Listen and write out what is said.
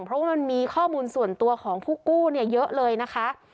เพราะว่ามันมีข้อมูลส่วนตัวของผู้กู้เยอะเลยนะคะ